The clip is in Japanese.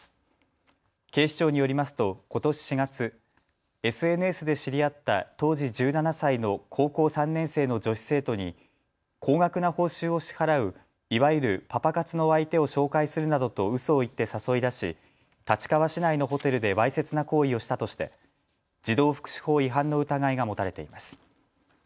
警視庁によりますとことし４月、ＳＮＳで知り合った当時１７歳の高校３年生の女子生徒に高額な報酬を支払ういわゆるパパ活の相手を紹介するなどとうそを言って誘い出し立川市内のホテルでわいせつな行為をしたとして児童福祉法違反の疑いが持たれています。